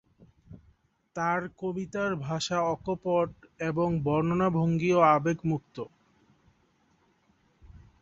তাঁর কবিতার ভাষা অকপট এবং বর্ণনাভঙ্গিও আবেগমুক্ত।